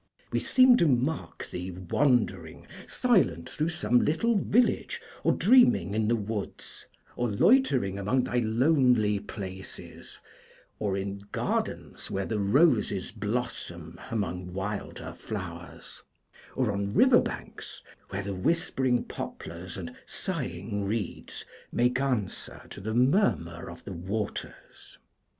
We seem to mark thee wandering silent through some little village, or dreaming in the woods, or loitering among thy lonely places, or in gardens where the roses blossom among wilder flowers, or on river banks where the whispering poplars and sighing reeds make answer to the murmur of the waters.